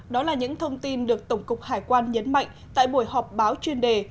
đó là những thông tin được tổng cục hải quan nhấn mạnh tại buổi họp báo chuyên đề